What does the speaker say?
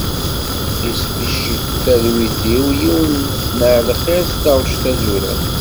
Yesficcet talwit-iw yiwen n ɛelxir s taɣec d tazurant.